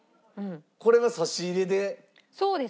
これは差し入れで。